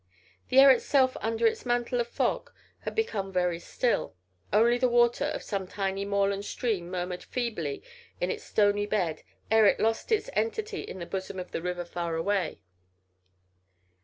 The air itself under its mantle of fog had become very still, only the water of some tiny moorland stream murmured feebly in its stony bed ere it lost its entity in the bosom of the river far away.